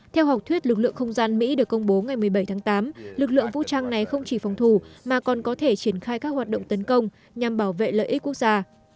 theo học thuyết lực lượng không gian mỹ được công bố ngày một mươi bảy tháng tám lực lượng vũ trang này không chỉ phòng thủ mà còn có thể triển khai các hoạt động tấn công nhằm bảo vệ lợi ích quốc gia